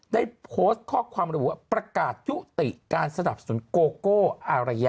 ได้โพสต์ข้อความระบุว่าประกาศยุติการสนับสนุนโกโก้อารยะ